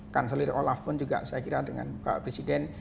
kanselir olaf pun juga saya kira dengan pak presiden